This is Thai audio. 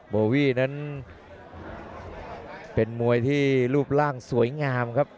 โบวี่นั้นเป็นมวยที่รูปร่างสวยงามครับ